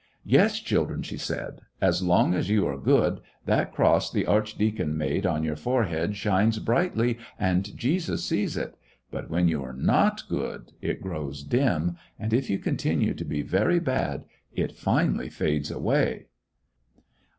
"Yes, children," she said, "as long as you are good that cross the archdeacon made on your forehead shines brightly, and Jesus sees it ; but when you are not good it grows dim, and if you continue to be very bad it finally fades away."